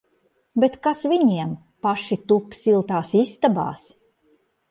Bet kas viņiem! Paši tup siltās istabās!